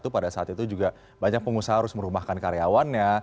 pada saat itu juga banyak pengusaha harus merumahkan karyawannya